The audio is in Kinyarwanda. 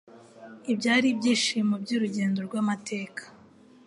ibyari ibyishimo by'urugendo rw'amateka